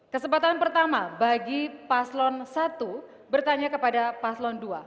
kesempatan pertama bagi paslon satu bertanya kepada paslon dua